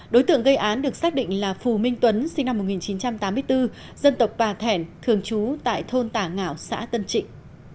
đối tượng gây án được xác định là phù minh tuấn sinh năm một nghìn chín trăm tám mươi bốn dân tộc bà thẻn thường trú tại thôn tả ngảo xã tân trịnh